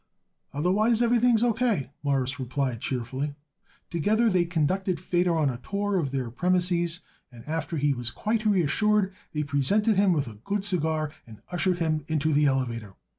"Otherwise, everything is O. K.," Morris replied cheerfully. Together they conducted Feder on a tour of their premises and, after he was quite reassured, they presented him with a good cigar and ushered him into the elevator.